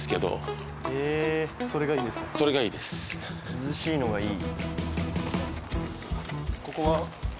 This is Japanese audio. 涼しいのがいい。